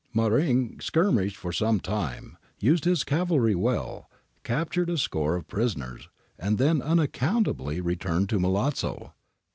Maringh skirmished for some time, used his cavalry well, captured a score of prisoners, and then unaccountably returned to Milazzo.